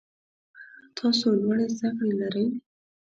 آیا تاسو لوړي زده کړي لرئ؟